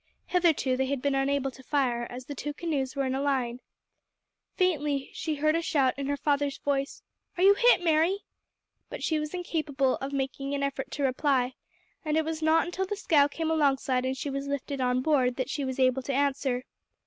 Hitherto they had been unable to fire, as the two canoes were in a line. Faintly she heard a shout in her father's voice: "Are you hit, Mary?" But she was incapable of making an effort to reply, and it was not until the scow came alongside and she was lifted on board that she was able to answer.